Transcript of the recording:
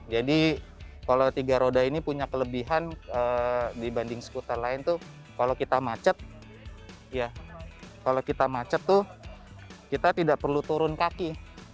jadi kalau tiga roda ini punya kelebihan dibanding skuter lain tuh kalau kita macet kita tidak perlu turun kaki